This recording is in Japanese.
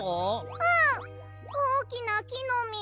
うんおおきなきのみ。